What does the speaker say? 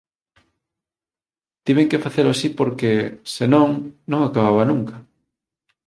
Tiven que facelo así porque, se non, non acababa nunca.